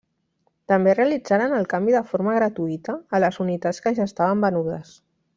També realitzaren el canvi de forma gratuïta a les unitats que ja estaven venudes.